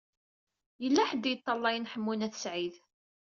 Yella ḥedd i yeṭṭalayen Ḥemmu n At Sɛid.